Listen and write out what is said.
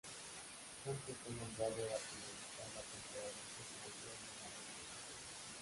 Santos fue nombrado al finalizar la temporada presidente honorario del club.